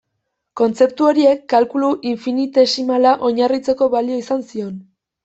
Kontzeptu horiek kalkulu infinitesimala oinarritzeko balio izan zion.